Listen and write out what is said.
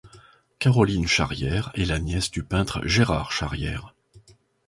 Caroline Charrière est la nièce du peintre Gérard Charrière.